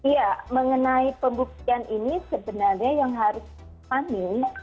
ya mengenai pembuktian ini sebenarnya yang harus dipahami